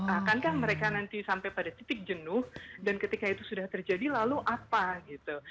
akankah mereka nanti sampai pada titik jenuh dan ketika itu sudah terjadi lalu apa gitu